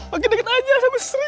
makin deket aja sama sri